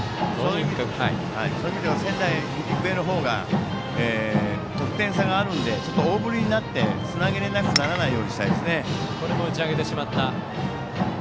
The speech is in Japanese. そういう意味では仙台育英の方が得点差があるので大振りになってつなげられなくならないようにしたいですね。